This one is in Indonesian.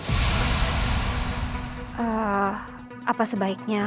eee apa sebaiknya